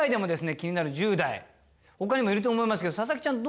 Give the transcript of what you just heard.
気になる１０代他にもいると思いますけど笹木ちゃん